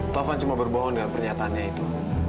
taufan cuma berbohong dengan pernyataannya itu